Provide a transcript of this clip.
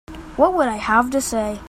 What would I have to say?